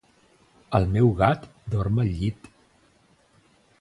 El meu gat dorm al llit.